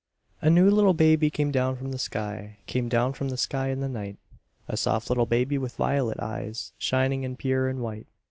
A new little baby came down from the sky Came down from the sky in the night. A soft little baby, with violet eyes, Shining, and pure, and white.